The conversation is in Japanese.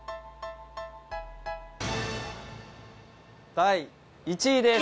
第１位です！